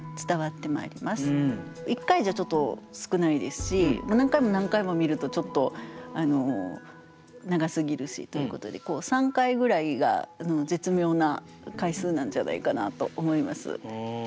１回じゃちょっと少ないですし何回も何回も見るとちょっと長すぎるしということでなんじゃないかなと思います。